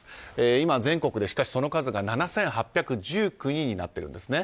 今、全国で、しかしその数が７８１９人になっているんです。